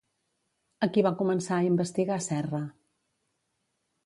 A qui va començar a investigar Serra?